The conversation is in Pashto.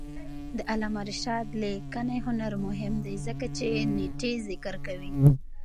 د علامه رشاد لیکنی هنر مهم دی ځکه چې نېټې ذکر کوي.